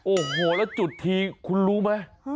โอ้โหแล้วจุดทีคุณรู้ไหม